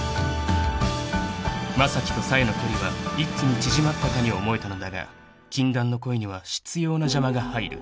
［正樹と冴の距離は一気に縮まったかに思えたのだが禁断の恋には執拗な邪魔が入る］